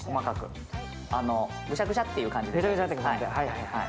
ぐしゃぐしゃっという感じで。